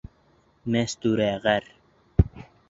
Мәстүрә ғәр.